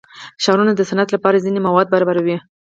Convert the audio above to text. ښارونه د صنعت لپاره ځینې مواد برابروي.